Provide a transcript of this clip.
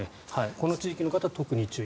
この地域の方は特に注意。